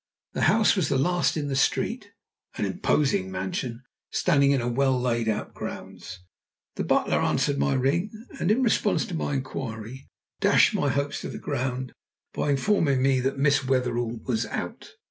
The house was the last in the street an imposing mansion standing in well laid out grounds. The butler answered my ring, and in response to my inquiry dashed my hopes to the ground by informing me that Miss Wetherell was out.